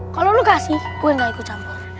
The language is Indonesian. kalau lu kasih gue gak ikut campur